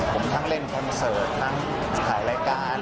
ผมทั้งเล่นคอนเสิร์ตทั้งถ่ายรายการ